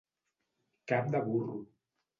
Cap de burro.